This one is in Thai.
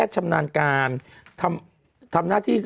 ชำนาญการทำที่